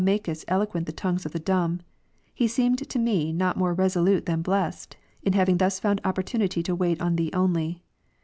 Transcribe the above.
makest eloquent the tongues of the dumb; he seemed to me not ^^»^^' more resolute than blessed, in having thus found opportunity to wait on Thee only.